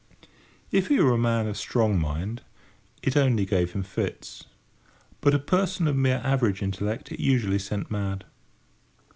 If he were a man of strong mind, it only gave him fits; but a person of mere average intellect it usually sent mad.